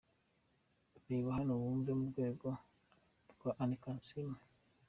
Reba hano rumwe mu rwenya rwa Anne Kansiime.